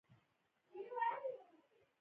اوبې ولسوالۍ ګرمې اوبه لري؟